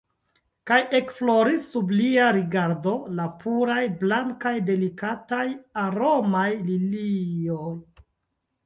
Kaj ekfloris sub lia rigardo la puraj, blankaj, delikataj, aromaj lilioj.